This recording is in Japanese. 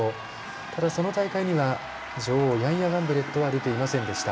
ただ、その大会には女王ヤンヤ・ガンブレットは出ていませんでした。